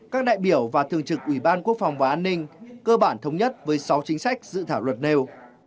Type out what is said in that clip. các đại biểu và thường trực ủy ban quốc phòng và an ninh cơ bản thống nhất với sáu chính sách dự thảo luật nêu